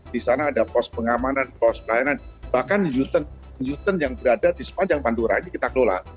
di sana ada pos pengamanan pos pelayanan bahkan uten yang berada di sepanjang pantura ini kita kelola